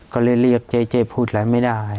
ก็เลยเรียกเจ๊พูดอะไรไม่ได้